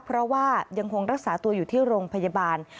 เพราะว่ายังคงรักษาตัวอยู่ที่โรงพยาบาล